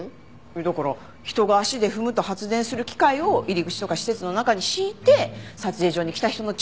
だから人が足で踏むと発電する機械を入り口とか施設の中に敷いて撮影所に来た人の力で発電する！